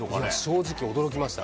正直、驚きました。